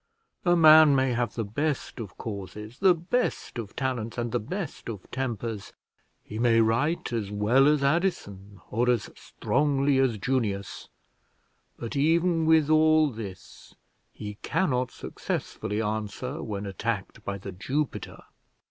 A man may have the best of causes, the best of talents, and the best of tempers; he may write as well as Addison, or as strongly as Junius; but even with all this he cannot successfully answer, when attacked by The Jupiter.